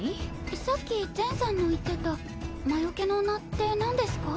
さっきゼンさんの言ってた魔よけの名ってなんですか？